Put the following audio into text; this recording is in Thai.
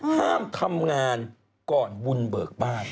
ห้ามทำงานก่อนบุญเบิกบ้าน